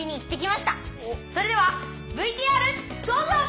それではＶＴＲどうぞ！